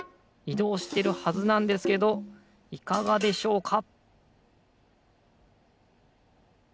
いどうしてるはずなんですけどいかがでしょうか？